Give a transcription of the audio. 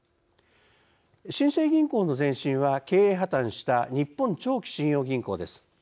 新生銀行の前身は経営破綻した日本長期信用銀行です。